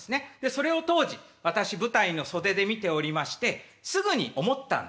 それを当時私舞台の袖で見ておりましてすぐに思ったんです。